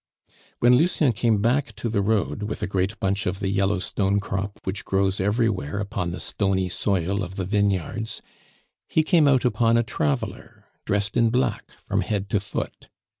When Lucien came back to the road with a great bunch of the yellow stone crop which grows everywhere upon the stony soil of the vineyards, he came out upon a traveler dressed in black from head to foot.